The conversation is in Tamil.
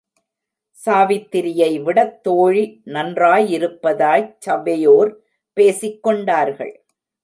சாவித்திரியைவிடத் தோழி நன்றாயிருப்பதாய்ச் சபையோர் பேசிக்கொண்டார்கள்.